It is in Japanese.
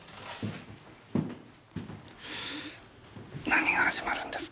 何が始まるんです？